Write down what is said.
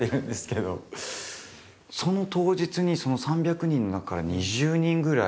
その当日に３００人の中から２０人ぐらい。